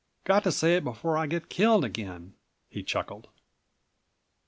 Got to say it before I get killed again," he chuckled.